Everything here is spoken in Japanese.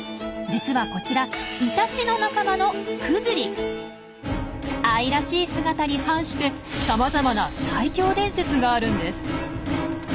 実はこちらイタチの仲間の愛らしい姿に反してさまざまな最強伝説があるんです。